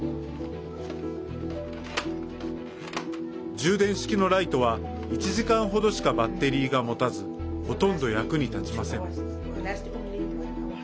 充電式のライトは１時間程しかバッテリーが持たずほとんど役に立ちません。